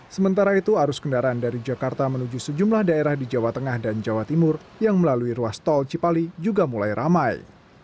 sementara itu arus kendaraan dari jakarta menuju sejumlah daerah di jawa tengah dan jawa timur yang melalui ruas tol cipali juga mulai ramai